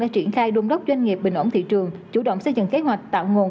đã triển khai đôn đốc doanh nghiệp bình ổn thị trường chủ động xây dựng kế hoạch tạo nguồn